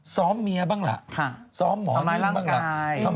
ซ้อมเมียบ้างแหละซ้อมหมอนิ่มบ้างแหละ